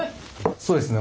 そうですね